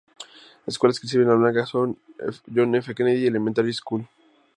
Escuelas que sirven a La Blanca son John F. Kennedy Elementary School.